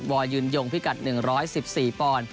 อยยืนยงพิกัด๑๑๔ปอนด์